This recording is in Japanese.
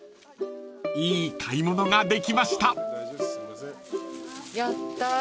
［いい買い物ができました］